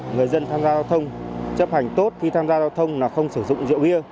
người dân tham gia giao thông chấp hành tốt khi tham gia giao thông là không sử dụng rượu bia